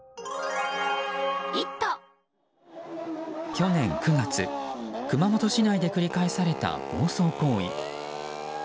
去年９月、熊本市内で繰り返された暴走行為。